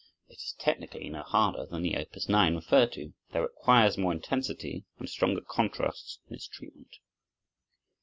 It is technically no harder than the Op. 9 referred to, though it requires more intensity and stronger contrasts in its treatment.